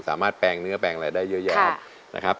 สามารถแปลงเนื้อแปลงอะไรได้เยอะแยะครับ